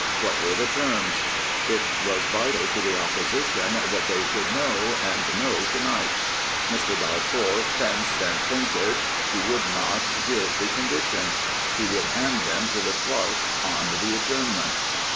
What were the terms ? It was vital to the Opposition that they should know, and know to night. Mr. Balfour fenced and feinted. He would not give the conditions. He woulcT hand them to the Clerk on the adjournment.